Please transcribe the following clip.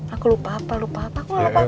aku lupa apa lupa apa aku lupa